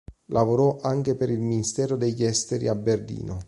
Lavorò anche per il ministero degli Esteri a Berlino.